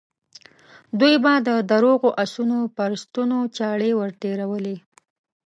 دوی به د روغو آسونو پر ستونو چاړې ور تېرولې.